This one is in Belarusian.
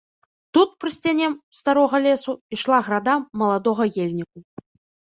Тут, пры сцяне старога лесу, ішла града маладога ельніку.